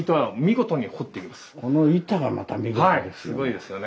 この板がまた見事ですよね。